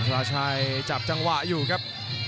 ราชัยจับจังหวะอยู่ครับ